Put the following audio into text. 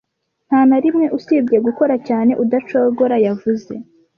Ntanarimwe, usibye gukora cyane udacogora, yavuze